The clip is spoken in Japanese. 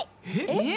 えっ？